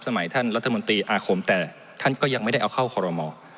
ท่านรัฐมนตรีอาคมแต่ท่านก็ยังไม่ได้เอาเข้าคอรมอ